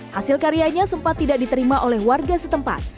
hasil karyanya sempat tidak diterima oleh warga setempat